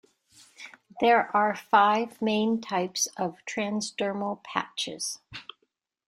There are five main types of transdermal patches.